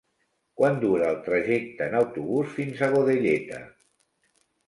Quant dura el trajecte en autobús fins a Godelleta?